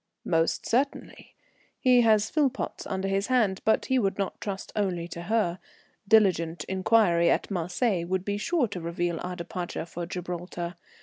"Most certainly. He has Philpotts under his hand, but he would not trust only to her. Diligent inquiry at Marseilles would be sure to reveal our departure for Gibraltar.